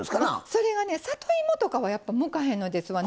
それはね里芋とかはやっぱ向かへんのですわ。